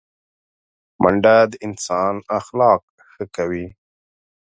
منډه د انسان اخلاق ښه کوي